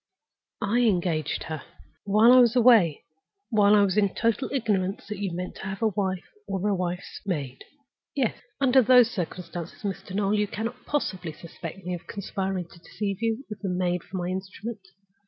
"I engaged her—" "While I was away? While I was in total ignorance that you meant to have a wife, or a wife's maid?" "Yes." "Under those circumstances, Mr. Noel, you cannot possibly suspect me of conspiring to deceive you, with the maid for my instrument.